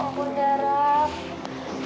kau pun darah